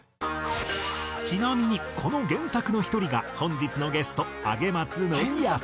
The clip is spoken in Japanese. ちなみにこの原作の１人が本日のゲスト上松範康！